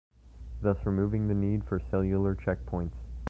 Thus removing the need for cellular checkpoints.